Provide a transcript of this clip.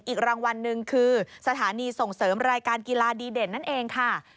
อีกรางวัลหนึ่งคือสถานีส่งเสริมรายการกีฬาดีเด่นนั่นเองค่ะ